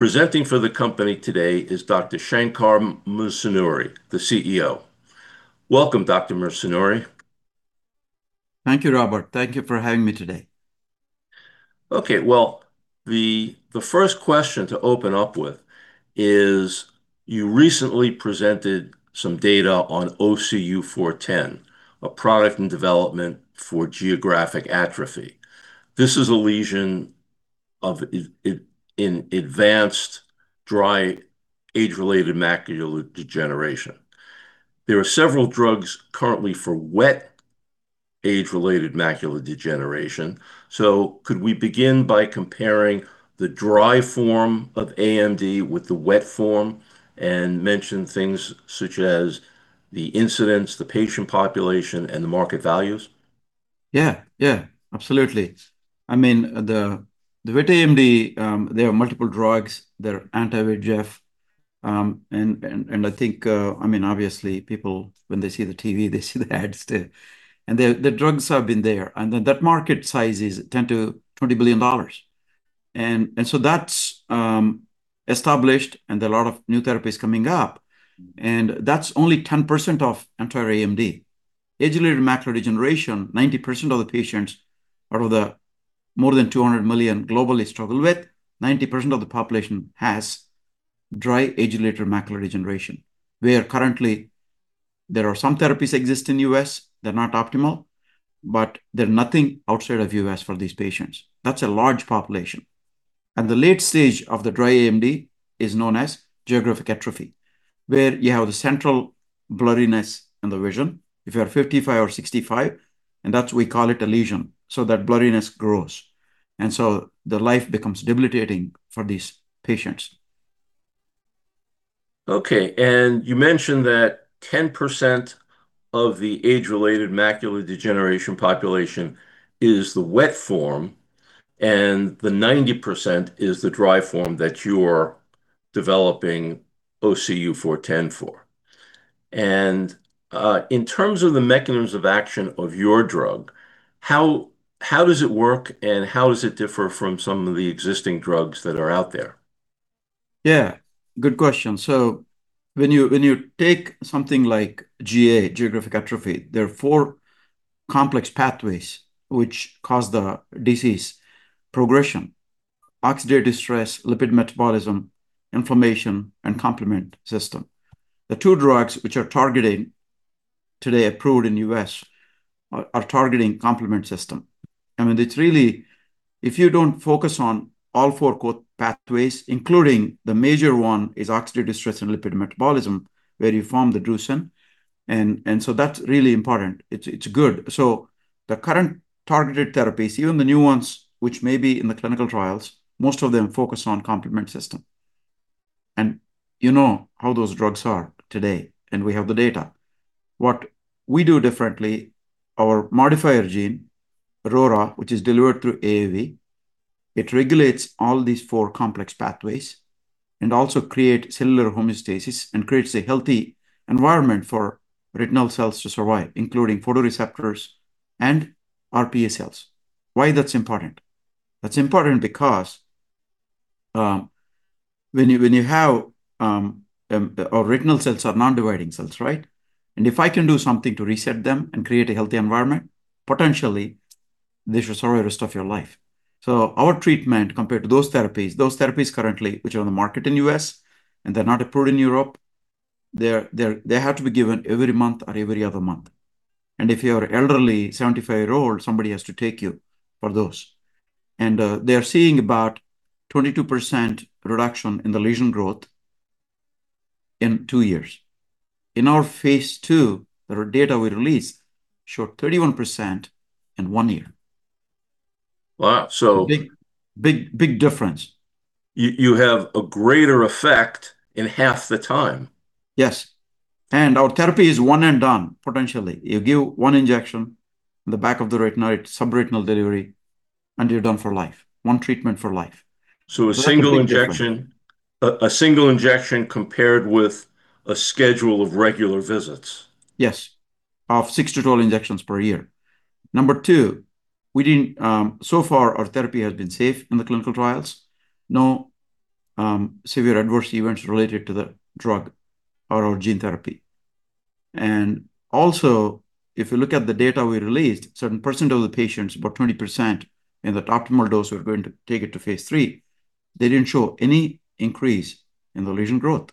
Presenting for the company today is Dr. Shankar Musunuri, the CEO. Welcome, Dr. Musunuri. Thank you, Robert. Thank you for having me today. Okay. Well, the first question to open up with is, you recently presented some data on OCU410, a product in development for geographic atrophy. This is a lesion in advanced dry age-related macular degeneration. Could we begin by comparing the dry form of AMD with the wet form and mention things such as the incidence, the patient population, and the market values? Yeah. Absolutely. I mean, the wet AMD, there are multiple drugs that are anti-VEGF. I think, obviously, people when they see the TV, they see the ads too. The drugs have been there. That market size is $10 billion-$20 billion. That's established, there are a lot of new therapies coming up, that's only 10% of entire AMD. Age-related macular degeneration, 90% of the patients out of the more than 200 million globally struggle with, 90% of the population has dry age-related macular degeneration, where currently there are some therapies exist in U.S. They're not optimal, but there are nothing outside of U.S. for these patients. That's a large population. The late stage of the dry AMD is known as geographic atrophy, where you have the central blurriness in the vision if you are 55 or 65, and that's we call it a lesion. That blurriness grows, and so the life becomes debilitating for these patients. Okay. You mentioned that 10% of the age-related macular degeneration population is the wet form and the 90% is the dry form that you're developing OCU410 for. In terms of the mechanisms of action of your drug, how does it work and how does it differ from some of the existing drugs that are out there? Yeah. Good question. When you take something like GA, geographic atrophy, there are four complex pathways which cause the disease progression: oxidative stress, lipid metabolism, inflammation, and complement system. The two drugs which are targeting today approved in U.S. are targeting complement system. It's really if you don't focus on all four pathways, including the major one is oxidative stress and lipid metabolism, where you form the drusen, and so that's really important. It's good. The current targeted therapies, even the new ones, which may be in the clinical trials, most of them focus on complement system. You know how those drugs are today, and we have the data. What we do differently, our modifier gene, RORA, which is delivered through AAV, it regulates all these four complex pathways and also create cellular homeostasis and creates a healthy environment for retinal cells to survive, including photoreceptors and RPE cells. Why that's important? That's important because, Our retinal cells are non-dividing cells, right? If I can do something to reset them and create a healthy environment, potentially they should survive rest of your life. Our treatment compared to those therapies, those therapies currently which are on the market in U.S., and they're not approved in Europe, they have to be given every month or every other month. If you're elderly, 75 years old, somebody has to take you for those. They are seeing about 22% reduction in the lesion growth in two years. In our phase II, the data we released showed 31% in one year. Wow. Big difference. You have a greater effect in half the time. Yes. Our therapy is one and done, potentially. You give one injection in the back of the retina, it's subretinal delivery, and you're done for life. One treatment for life. A single injection compared with a schedule of regular visits. Yes, of six total injections per year. Number two, so far our therapy has been safe in the clinical trials. No severe adverse events related to the drug or our gene therapy. If you look at the data we released, certain % of the patients, about 20%, in that optimal dose we're going to take it to phase III, they didn't show any increase in the lesion growth.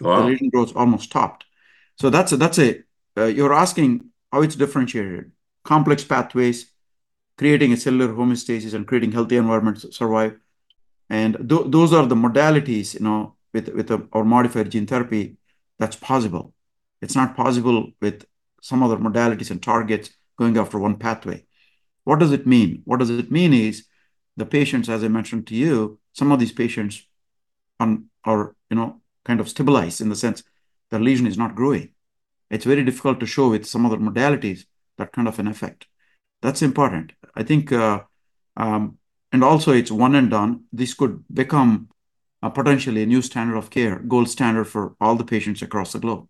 Wow. The lesion growth almost stopped. That's it. You're asking how it's differentiated. Complex pathways, creating a cellular homeostasis, and creating healthy environments survive, and those are the modalities, with our modified gene therapy, that's possible. It's not possible with some other modalities and targets going after one pathway. What does it mean? What does it mean is the patients, as I mentioned to you, some of these patients are kind of stabilized in the sense their lesion is not growing. It's very difficult to show with some other modalities that kind of an effect. That's important. Also, it's one and done. This could become a potentially new standard of care, gold standard for all the patients across the globe.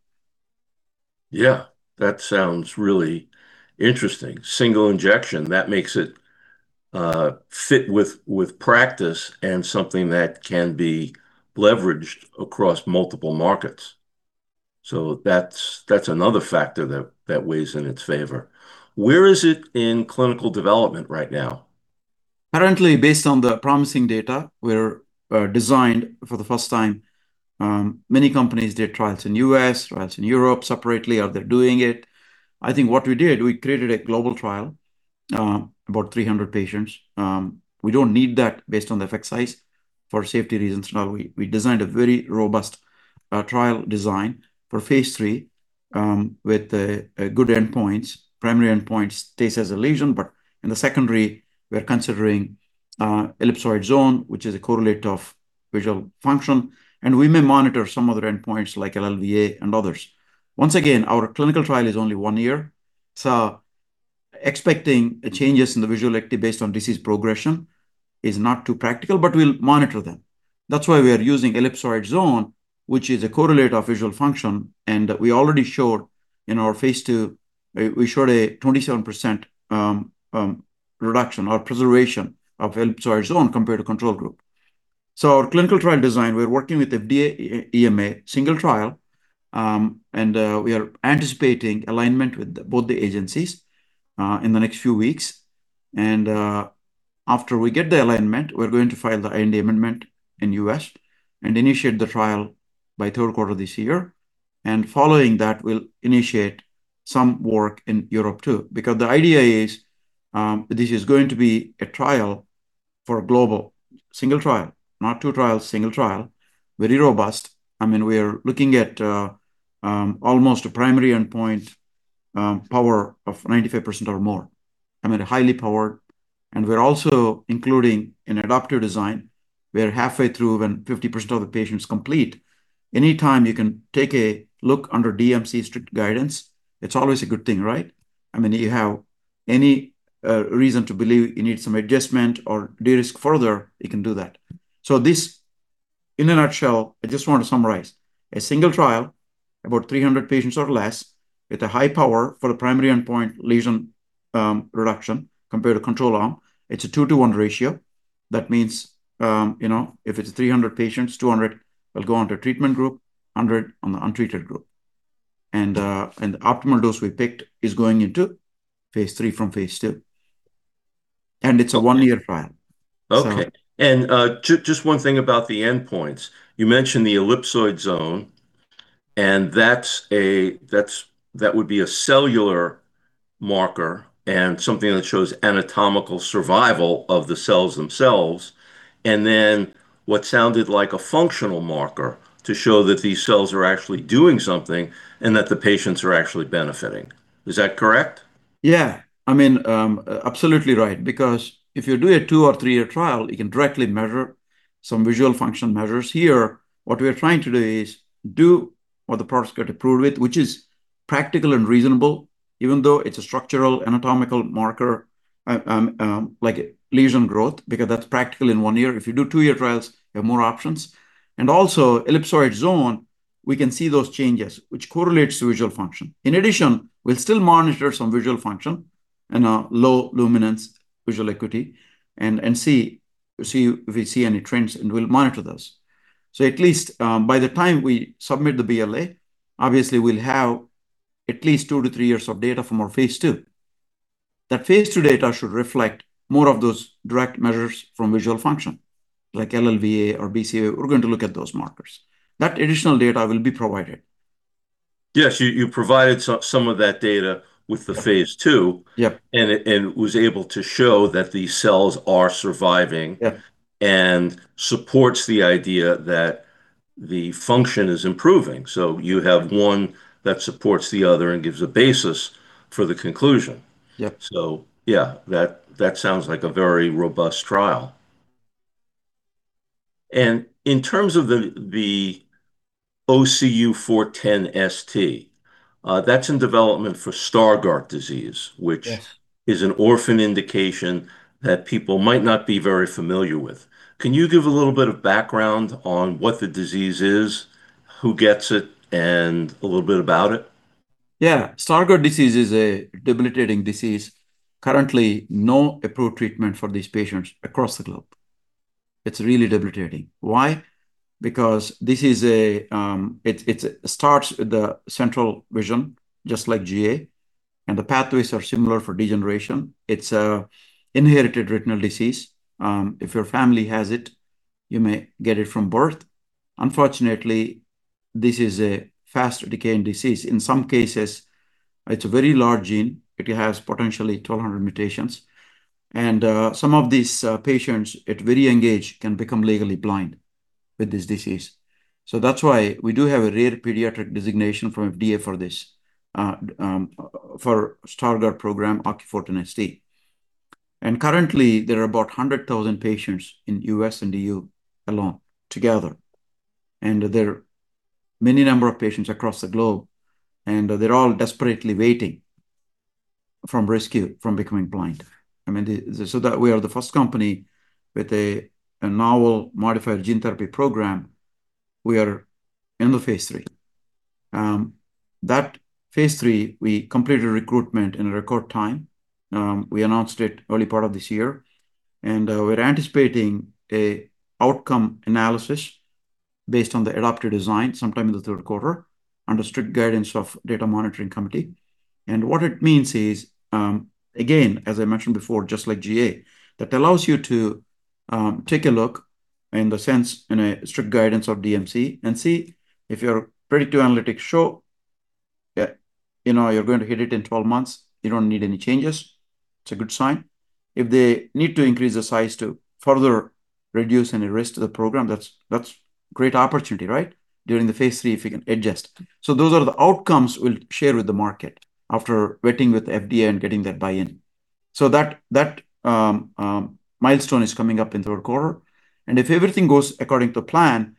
Yeah. That sounds really interesting. Single injection, that makes it fit with practice and something that can be leveraged across multiple markets. That's another factor that weighs in its favor. Where is it in clinical development right now? Currently, based on the promising data, we're designed for the first time. Many companies did trials in U.S., trials in Europe separately, or they're doing it. I think what we did, we created a global trial, about 300 patients. We don't need that based on the effect size. For safety reasons now, we designed a very robust trial design for phase III, with good endpoints. Primary endpoint stays as a lesion. In the secondary, we are considering ellipsoid zone, which is a correlate of visual function, and we may monitor some other endpoints like LLVA and others. Once again, our clinical trial is only one year. Expecting changes in the visual activity based on disease progression is not too practical, but we'll monitor them. That's why we are using ellipsoid zone, which is a correlate of visual function, and we already showed in our phase II, we showed a 27% reduction or preservation of ellipsoid zone compared to control group. Our clinical trial design, we're working with FDA, EMA, single trial, and we are anticipating alignment with both the agencies in the next few weeks. After we get the alignment, we're going to file the IND amendment in U.S. and initiate the trial by third quarter this year. Following that, we'll initiate some work in Europe too. The idea is this is going to be a trial for a global single trial, not two trials, single trial, very robust. We are looking at almost a primary endpoint power of 95% or more. I mean, highly powered. We're also including an adaptive design where halfway through when 50% of the patients complete, any time you can take a look under DMC strict guidance, it's always a good thing, right. You have any reason to believe you need some adjustment or de-risk further, you can do that. This in a nutshell, I just want to summarize. A single trial, about 300 patients or less, with a high power for a primary endpoint lesion reduction compared to control arm. It's a 2 to 1 ratio. That means if it's 300 patients, 200 will go under treatment group, 100 on the untreated group. The optimal dose we picked is going into phase III from phase II. It's a one-year trial. Okay. Just one thing about the endpoints. You mentioned the ellipsoid zone, and that would be a cellular marker and something that shows anatomical survival of the cells themselves. Then what sounded like a functional marker to show that these cells are actually doing something and that the patients are actually benefiting. Is that correct? Absolutely right. If you do a two or three-year trial, you can directly measure some visual function measures. Here, what we are trying to do is do what the product got approved with, which is practical and reasonable, even though it's a structural anatomical marker, like lesion growth, because that's practical in one year. If you do two-year trials, you have more options. Also, ellipsoid zone, we can see those changes, which correlates to visual function. In addition, we'll still monitor some visual function in a low luminance visual acuity and see if we see any trends. We'll monitor those. At least by the time we submit the BLA, obviously we'll have at least two to three years of data from our phase II. That phase II data should reflect more of those direct measures from visual function, like LLVA or BCVA. We're going to look at those markers. That additional data will be provided. Yes. You provided some of that data with the phase II. Yeah. It was able to show that the cells are surviving. Yeah. Supports the idea that the function is improving. You have one that supports the other and gives a basis for the conclusion. Yeah. Yeah, that sounds like a very robust trial. In terms of the OCU410ST, that's in development for Stargardt disease. Yes. Which is an orphan indication that people might not be very familiar with. Can you give a little bit of background on what the disease is, who gets it, and a little bit about it? Yeah. Stargardt disease is a debilitating disease. Currently, no approved treatment for these patients across the globe. It's really debilitating. Why? Because it starts the central vision, just like GA, and the pathways are similar for degeneration. It's an inherited retinal disease. If your family has it, you may get it from birth. Unfortunately, this is a fast decaying disease. In some cases, it's a very large gene. It has potentially 1,200 mutations. Some of these patients at very young age can become legally blind with this disease. That's why we do have a Rare Pediatric Disease Designation from FDA for this, for Stargardt program, OCU410ST. Currently, there are about 100,000 patients in U.S. and EU alone together. There are many number of patients across the globe, and they're all desperately waiting for rescue, from becoming blind. That we are the first company with a novel modifier gene therapy program. We are in the phase III. That phase III, we completed recruitment in record time. We announced it early part of this year, and we're anticipating a outcome analysis based on the adaptive design sometime in the third quarter under strict guidance of Data Monitoring Committee. What it means is, again, as I mentioned before, just like GA, that allows you to take a look in the sense, in a strict guidance of DMC, and see if your predictive analytics show you're going to hit it in 12 months, you don't need any changes. It's a good sign. If they need to increase the size to further reduce any risk to the program, that's great opportunity, right? During the phase III, if we can adjust. Those are the outcomes we'll share with the market after vetting with FDA and getting that buy-in. That milestone is coming up in third quarter. If everything goes according to plan,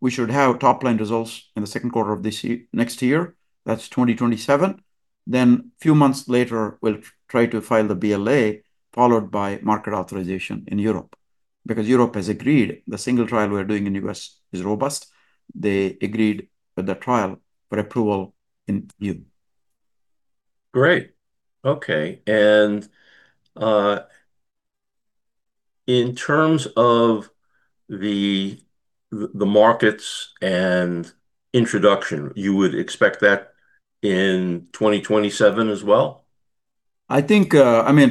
we should have top-line results in the second quarter of next year. That's 2027. Few months later, we'll try to file the BLA, followed by market authorization in Europe because Europe has agreed the single trial we're doing in U.S. is robust. They agreed with the trial for approval in EU. Great. Okay. In terms of the markets and introduction, you would expect that in 2027 as well? I think,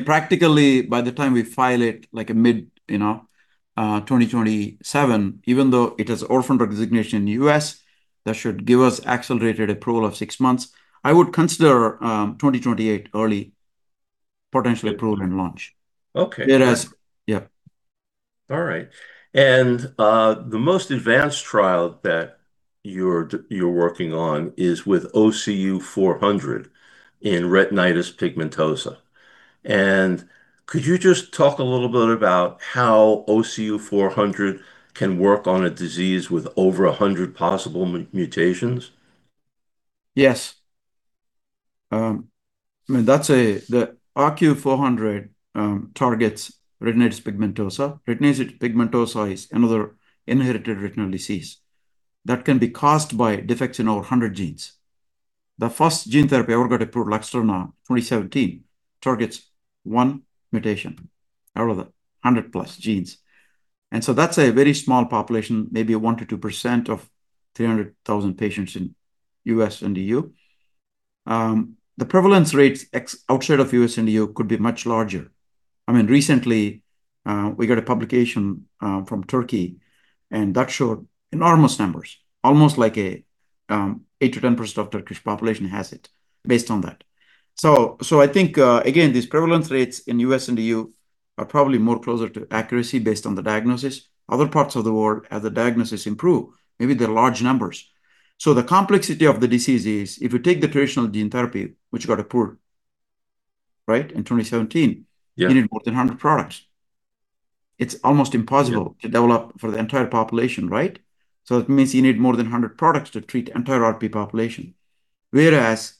practically by the time we file it, like mid-2027, even though it has Orphan designation in the U.S., that should give us accelerated approval of six months. I would consider 2028 early potentially approved and launch. Okay. Whereas, yeah. All right. The most advanced trial that you're working on is with OCU400 in retinitis pigmentosa. Could you just talk a little bit about how OCU400 can work on a disease with over 100 possible mutations? Yes. The OCU400 targets retinitis pigmentosa. Retinitis pigmentosa is another inherited retinal disease that can be caused by defects in over 100 genes. The first gene therapy ever got approved, LUXTURNA, 2017, targets one mutation out of the 100+ genes. That's a very small population, maybe a 1%-2% of 300,000 patients in U.S. and E.U. The prevalence rates outside of U.S. and E.U. could be much larger. Recently, we got a publication from Turkey, that showed enormous numbers, almost like 8%-10% of Turkish population has it based on that. I think, again, these prevalence rates in U.S. and E.U. are probably more closer to accuracy based on the diagnosis. Other parts of the world, as the diagnosis improve, maybe they're large numbers. The complexity of the disease is, if you take the traditional gene therapy, which got approved, right, in 2017. Yeah. You need more than 100 products. It's almost impossible to develop for the entire population, right? It means you need more than 100 products to treat entire RP population. Whereas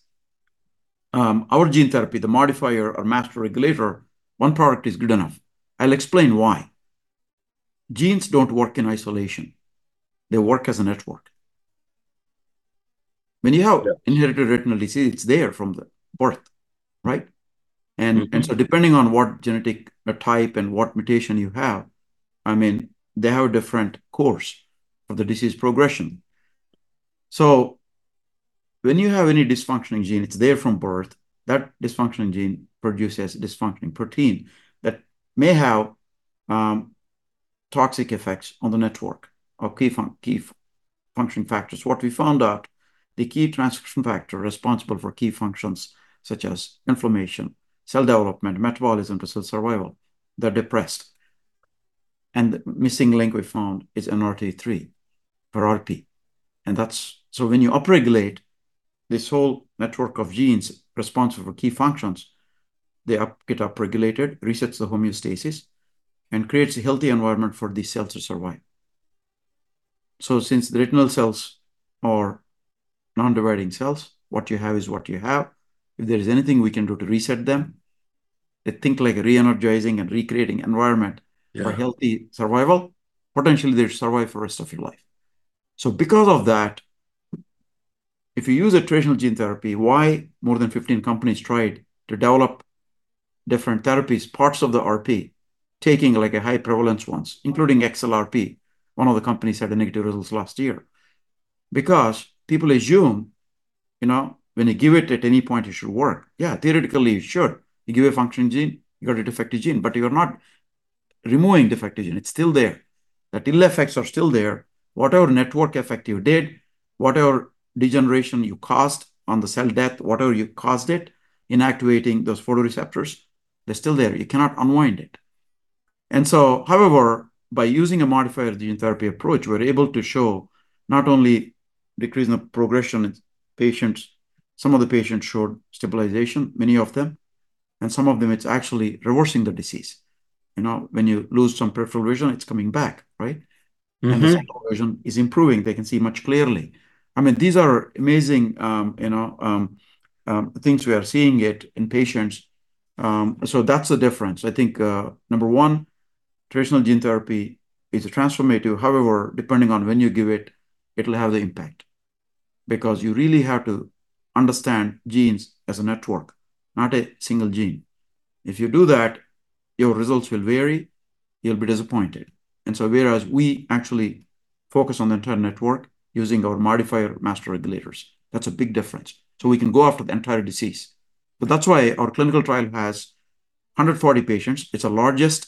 our gene therapy, the modifier or master regulator, one product is good enough. I'll explain why. Genes don't work in isolation. They work as a network. When you have inherited retinal disease, it's there from the birth, right? Depending on what genetic type and what mutation you have, they have a different course of the disease progression. When you have any dysfunctioning gene, it's there from birth. That dysfunctioning gene produces dysfunctioning protein that may have toxic effects on the network of key function factors. What we found out, the key transcription factor responsible for key functions such as inflammation, cell development, metabolism, to cell survival, they're depressed. The missing link we found is NR2E3 for RP. When you upregulate this whole network of genes responsible for key functions, they get upregulated, resets the homeostasis, and creates a healthy environment for these cells to survive. Since the retinal cells are non-dividing cells, what you have is what you have. If there is anything we can do to reset them, I think like re-energizing and recreating environment. Yeah For healthy survival, potentially they survive for rest of your life. Because of that, if you use a traditional gene therapy, why more than 15 companies tried to develop different therapies, parts of the RP, taking like a high prevalence ones, including XLRP, one of the companies had the negative results last year. Because people assume when you give it at any point, it should work. Yeah, theoretically, it should. You give a functioning gene, you got a defective gene, but you are not removing defective gene. It's still there. The ill effects are still there. Whatever network effect you did, whatever degeneration you caused on the cell death, whatever you caused it, inactivating those photoreceptors, they're still there. You cannot unwind it. However, by using a modifier gene therapy approach, we're able to show not only decrease in the progression in patients, some of the patients showed stabilization, many of them. Some of them, it's actually reversing the disease. You know, when you lose some peripheral vision, it's coming back, right? The central vision is improving. They can see much clearly. These are amazing things we are seeing it in patients. That's the difference. I think, number one, traditional gene therapy is transformative. However, depending on when you give it'll have the impact. You really have to understand genes as a network, not a single gene. If you do that, your results will vary, you'll be disappointed. Whereas we actually focus on the entire network using our modifier master regulators. That's a big difference. We can go after the entire disease. That's why our clinical trial has 140 patients. It's the largest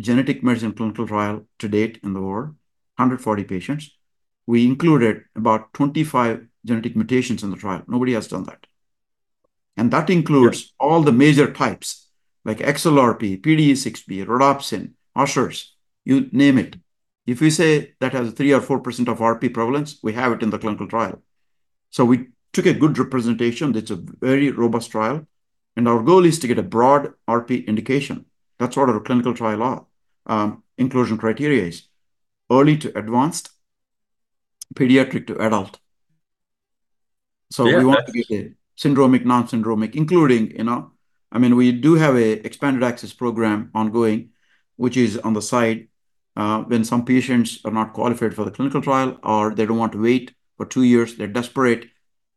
genetic medicine clinical trial to date in the world. 140 patients. We included about 25 genetic mutations in the trial. Nobody has done that. That includes. Yeah All the major types like XLRP, PDE6B, rhodopsin, Usher, you name it. If we say that has 3% or 4% of RP prevalence, we have it in the clinical trial. We took a good representation. It's a very robust trial. Our goal is to get a broad RP indication. That's what our clinical trial are. Inclusion criteria is early to advanced, pediatric to adult. Yeah. We want to be a syndromic, non-syndromic, including, we do have a expanded access program ongoing, which is on the side, when some patients are not qualified for the clinical trial or they don't want to wait for two years, they're desperate,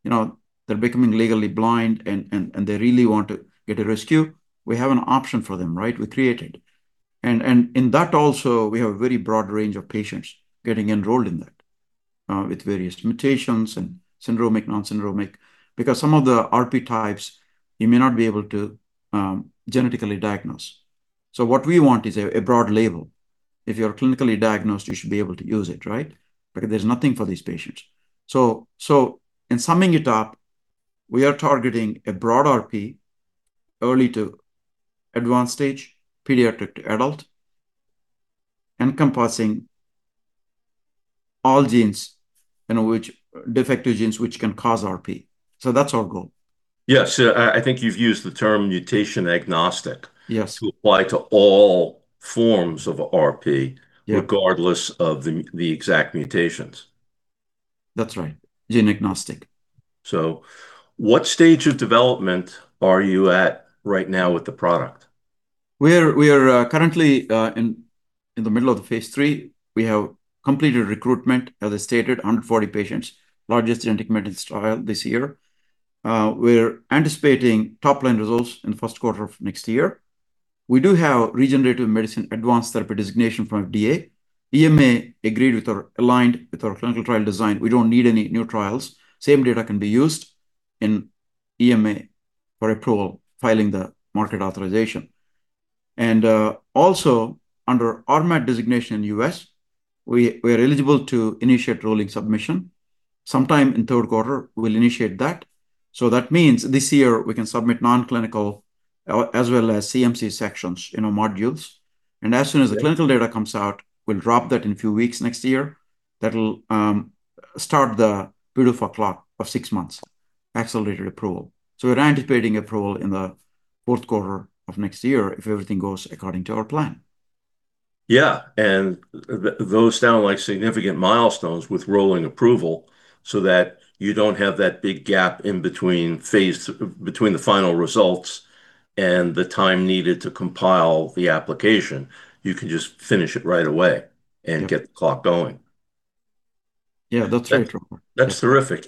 they're becoming legally blind and they really want to get a rescue, we have an option for them. We created. In that also, we have a very broad range of patients getting enrolled in that, with various mutations and syndromic, non-syndromic. Some of the RP types you may not be able to genetically diagnose. What we want is a broad label. If you're clinically diagnosed, you should be able to use it. There's nothing for these patients. In summing it up, we are targeting a broad RP, early to advanced stage, pediatric to adult, encompassing all genes, defective genes which can cause RP. That's our goal. Yes. I think you've used the term mutation agnostic. Yes To apply to all forms of RP. Yeah Regardless of the exact mutations. That's right. Gene agnostic. What stage of development are you at right now with the product? We are currently in the middle of the phase III. We have completed recruitment, as I stated, 140 patients, largest genetic medicine trial this year. We're anticipating top-line results in the first quarter of next year. We do have Regenerative Medicine Advanced Therapy designation from FDA. EMA agreed with our, aligned with our clinical trial design. We don't need any new trials. Same data can be used in EMA for approval, filing the market authorization. Also under RMAT designation in U.S., we are eligible to initiate rolling submission. Sometime in third quarter, we'll initiate that. That means this year we can submit non-clinical, as well as CMC sections, modules. As soon as the clinical data comes out, we'll drop that in a few weeks next year. That'll start the beautiful clock of six months accelerated approval. We're anticipating approval in the fourth quarter of next year if everything goes according to our plan. Yeah. Those sound like significant milestones with rolling approval so that you don't have that big gap in between phase, between the final results and the time needed to compile the application. You can just finish it right away and get the clock going. Yeah, that's right. That's terrific.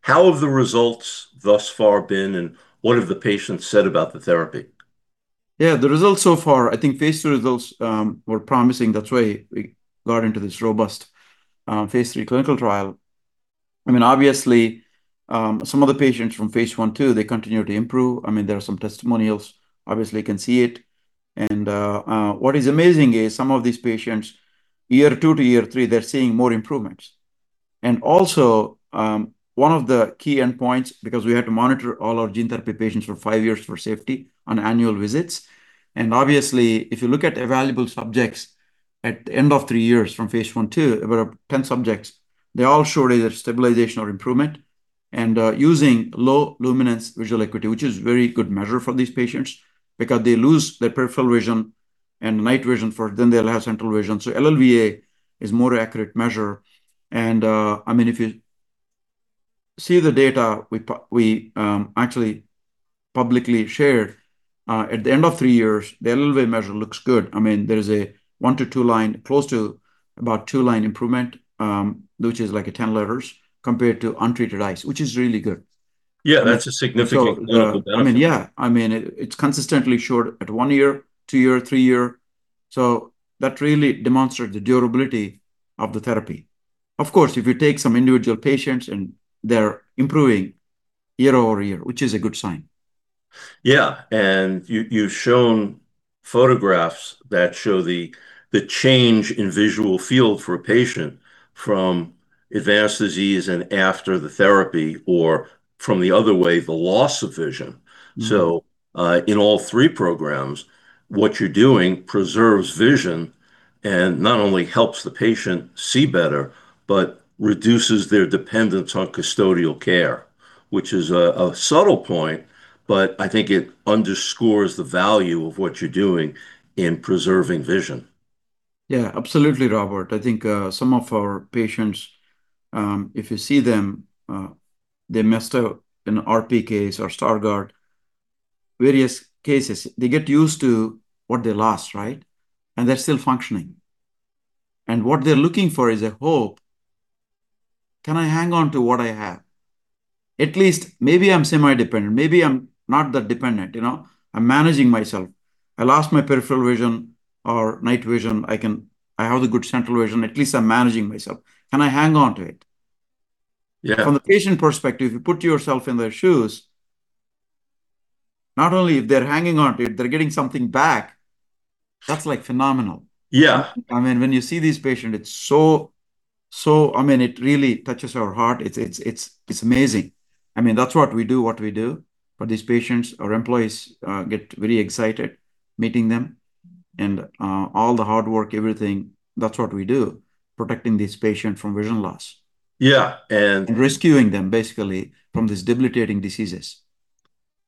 How have the results thus far been, and what have the patients said about the therapy? Yeah, the results so far, I think phase III results were promising. That's why we got into this robust phase III clinical trial. Obviously, some of the patients from phase I, II, they continue to improve. There are some testimonials. Obviously you can see it. What is amazing is some of these patients, year 2 to year 3, they're seeing more improvements. Also, one of the key endpoints, because we had to monitor all our gene therapy patients for 5 years for safety on annual visits. Obviously, if you look at evaluable subjects at the end of 3 years from phase I, II, there were 10 subjects, they all showed either stabilization or improvement. Using Low Luminance Visual Acuity, which is very good measure for these patients because they lose their peripheral vision and night vision first, then they'll have central vision. LLVA is more accurate measure. If you see the data we actually publicly shared, at the end of three years, the LLVA measure looks good. There is a one to two line, close to about two-line improvement, which is like 10 letters compared to untreated eyes, which is really good. Yeah, that's a significant improvement. Yeah. It's consistently showed at one year, two year, three year. That really demonstrates the durability of the therapy. Of course, if you take some individual patients and they're improving year-over-year, which is a good sign. Yeah. You've shown photographs that show the change in visual field for a patient from advanced disease and after the therapy, or from the other way, the loss of vision. In all three programs, what you're doing preserves vision and not only helps the patient see better but reduces their dependence on custodial care, which is a subtle point, but I think it underscores the value of what you're doing in preserving vision. Yeah, absolutely, Robert. I think some of our patients, if you see them, they must have an RP case or Stargardt, various cases. They get used to what they lost, right? They're still functioning. What they're looking for is a hope. Can I hang on to what I have? At least maybe I'm semi-dependent. Maybe I'm not that dependent. I'm managing myself. I lost my peripheral vision or night vision. I have the good central vision. At least I'm managing myself. Can I hang on to it? Yeah. From the patient perspective, you put yourself in their shoes, not only if they're hanging on to it, they're getting something back, that's phenomenal. Yeah. When you see these patient, it really touches our heart. It's amazing. That's what we do for these patients. Our employees get very excited meeting them, and all the hard work, everything, that's what we do, protecting these patients from vision loss. Yeah. Rescuing them basically from these debilitating diseases.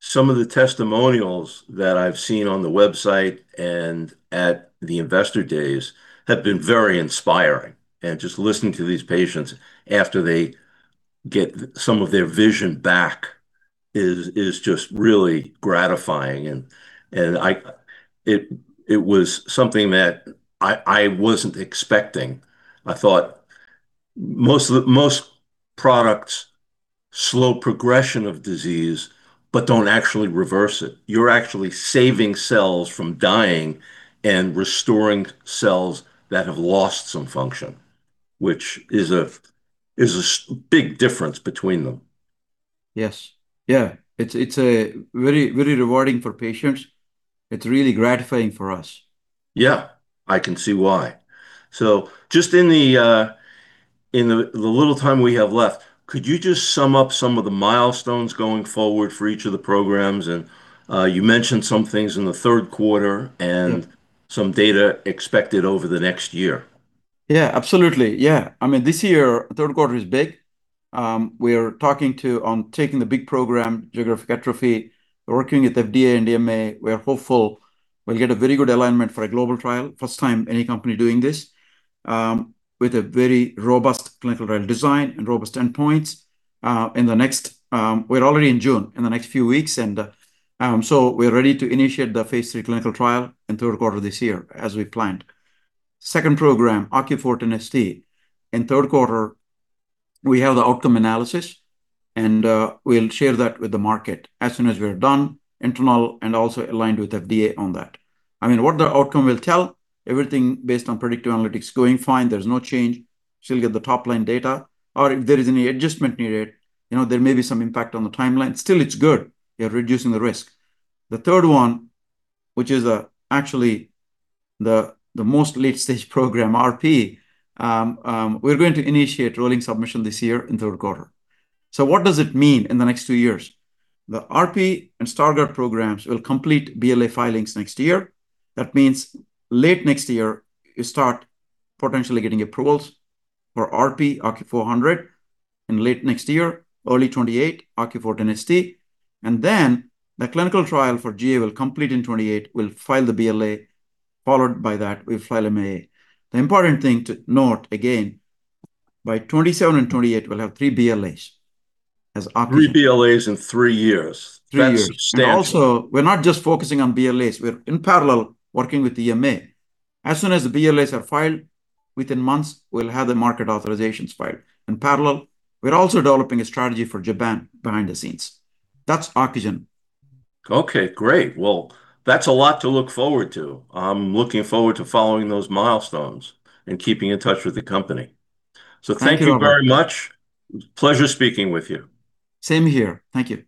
Some of the testimonials that I've seen on the website and at the investor days have been very inspiring. Just listening to these patients after they get some of their vision back is just really gratifying. It was something that I wasn't expecting. I thought most products slow progression of disease but don't actually reverse it. You're actually saving cells from dying and restoring cells that have lost some function, which is a big difference between them. Yes. Yeah. It's very rewarding for patients. It's really gratifying for us. Yeah. I can see why. Just in the little time we have left, could you just sum up some of the milestones going forward for each of the programs? You mentioned some things in the third quarter. Yeah Some data expected over the next year. Absolutely. This year, third quarter is big. We're talking to on taking the big program, geographic atrophy. We're working with FDA and EMA. We're hopeful we'll get a very good alignment for a global trial, first time any company doing this, with a very robust clinical trial design and robust endpoints. We're already in June, in the next few weeks, we're ready to initiate the phase III clinical trial in third quarter this year, as we've planned. Second program, OCU410ST. In third quarter, we have the outcome analysis, we'll share that with the market as soon as we're done, internal and also aligned with FDA on that. What the outcome will tell, everything based on predictive analytics going fine, there's no change. Still get the top-line data. If there is any adjustment needed, there may be some impact on the timeline. Still it's good. We are reducing the risk. The third one, which is actually the most late-stage program, RP, we're going to initiate rolling submission this year in third quarter. What does it mean in the next two years? The RP and Stargardt disease programs will complete BLA filings next year. That means late next year, you start potentially getting approvals for RP, OCU400, and late next year, early 2028, OCU410ST. The clinical trial for GA will complete in 2028. We'll file the BLA. Followed by that, we'll file MAA. The important thing to note, again, by 2027 and 2028, we'll have three BLAs as Ocugen. Three BLAs in three years. Three years. That's substantial. Also, we're not just focusing on BLAs. We're in parallel working with EMA. As soon as the BLAs are filed, within months, we'll have the market authorizations filed. In parallel, we're also developing a strategy for Japan behind the scenes. That's Ocugen. Okay, great. Well, that's a lot to look forward to. I'm looking forward to following those milestones and keeping in touch with the company. Thank you, Robert. Thank you very much. Pleasure speaking with you. Same here. Thank you.